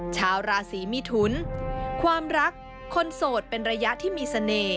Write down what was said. ชาวราศีมิถุนความรักคนโสดเป็นระยะที่มีเสน่ห์